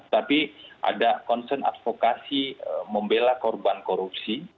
tapi ada concern advokasi membela korban korupsi